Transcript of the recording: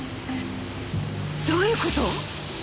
どういう事！？